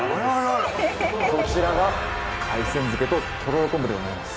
こちらが海鮮漬ととろろ昆布でございます。